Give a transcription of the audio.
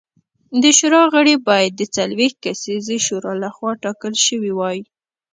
د شورا غړي باید د څلوېښت کسیزې شورا لخوا ټاکل شوي وای